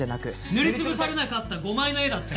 塗り潰されなかった５枚の絵だって事。